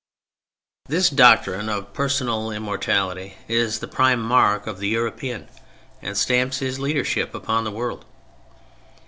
This doctrine of personal immortality is the prime mark of the European and stamps his leadership upon the world.